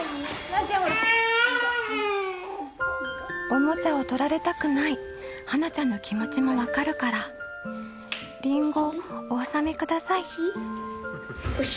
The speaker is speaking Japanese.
おもちゃを取られたくない芭那ちゃんの気持ちもわかるからリンゴお納めください。